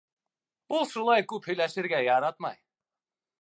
Ул шулай күп һөйләшергә яратмай.